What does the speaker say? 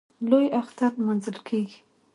لوی اختر نماځل کېږي.